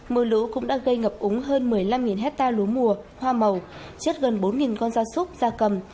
mưa lũ cũng đã gây ngập úng hơn một mươi năm hectare lúa mùa hoa màu chết gần bốn con da súc da cầm